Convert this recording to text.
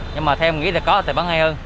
nhưng mà theo em nghĩ là có là tài bản hay hơn